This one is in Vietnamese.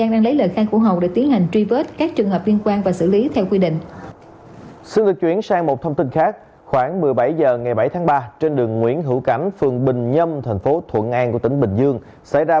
đây hiện là mái nhà của hơn hai mươi em nhỏ bị bố mẹ bỏ rơi